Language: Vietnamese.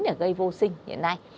để gây vô sinh hiện nay